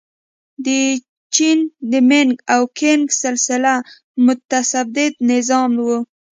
د چین د مینګ او کینګ سلسله مستبد نظام و.